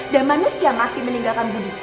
dan manusia mati meninggalkan budi